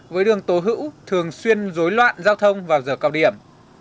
với đường tố hữu thường xuyên rối loạn giao thông vào giờ cao điểm